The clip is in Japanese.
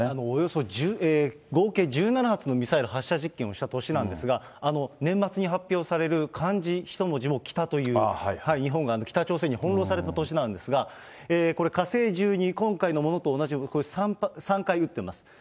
およそ合計１７つのミサイル発射実験をした年なんですが、年末に発表される漢字一文字も北という、日本が北朝鮮に翻弄された年なんですが、これ、火星１２、今回のものと同じ、これ、３回打ってます。